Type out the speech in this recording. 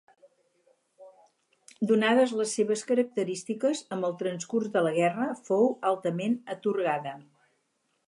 Donades les seves característiques, amb el transcurs de la guerra fou altament atorgada.